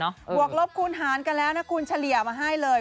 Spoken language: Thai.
บวกลบคูณหารกันแล้วนะคุณเฉลี่ยมาให้เลย